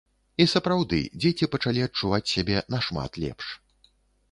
І сапраўды, дзеці пачалі адчуваць сябе нашмат лепш.